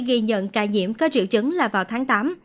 ghi nhận ca nhiễm có triệu chứng là vào tháng tám